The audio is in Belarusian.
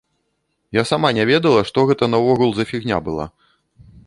Я сама не ведала, што гэта наогул за фігня была.